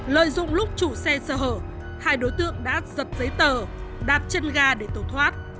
lợi dụng lúc chủ xe sơ hở hai đối tượng đã giật giấy tờ đạp chân ga để tổ thoát